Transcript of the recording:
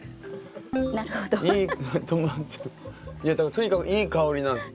とにかくいい香りなの。